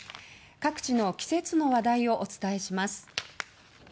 各地の季節の話題をお伝えします。